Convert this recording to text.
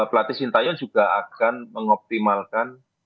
pelatih sintayong juga akan mengoptimalkan